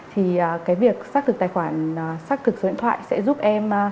thì cái việc xác thực tài khoản xác thực số điện thoại sẽ giúp em